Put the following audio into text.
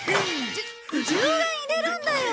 じゅ１０円入れるんだよ。